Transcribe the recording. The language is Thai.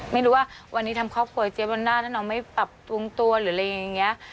ไม่รู้ว่าวันนี้ทำครอบครัวเจ๊วันน่าถ้าน้องไม่ปรับปรุงตัวหรืออะไรอย่างนี้